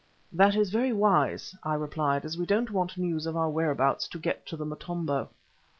"That is very wise," I replied, "as we don't want news of our whereabouts to get to the Motombo."